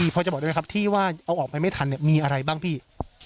พอจะบอกได้ไหมครับที่ว่าเอาออกไปไม่ทันมีอะไรบ้างพี่